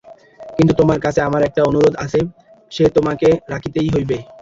কিন্তু তোমার কাছে আমার একটি অনুরোধ আছে, সে তোমাকে রাখিতেই হইবে।